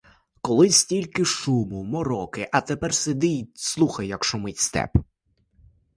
Колись стільки шуму, мороки, а тепер сиди й слухай, як шумить степ.